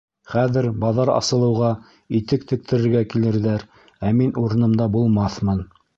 Хәҙер баҙар асылыуға итек тектерергә килерҙәр, ә мин урынымда булмаҫмын.